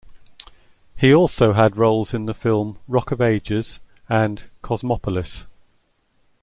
He also had roles in the film "Rock of Ages" and "Cosmopolis".